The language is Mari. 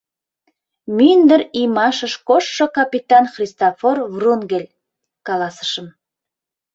— Мӱндыр иймашыш коштшо капитан Христофор Врунгель, — каласышым.